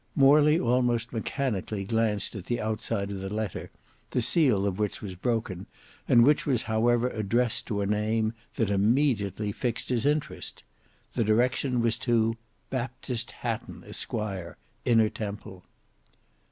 Morley almost mechanically glanced at the outside of the letter, the seal of which was broken, and which was however addressed to a name that immediately fixed his interest. The direction was to "Baptist Hatton, Esq., Inner Temple."